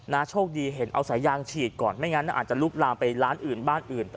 โชคดีเห็นเอาสายยางฉีดก่อนไม่งั้นอาจจะลุกลามไปร้านอื่นบ้านอื่น